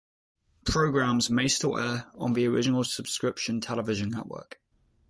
Programs may still air on the original subscription television network.